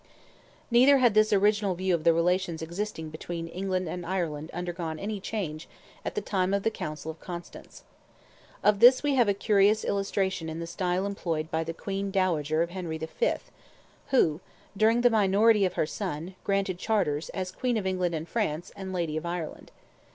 Neither had this original view of the relations existing between England and Ireland undergone any change at the time of the Council of Constance. Of this we have a curious illustration in the style employed by the Queen Dowager of Henry V., who, during the minority of her son, granted charters, as "Queen of England and France, and lady of Ireland."